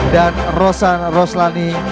dan rosan roslani